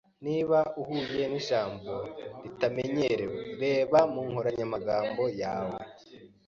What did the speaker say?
Niba uhuye nijambo ritamenyerewe, reba mu nkoranyamagambo yawe.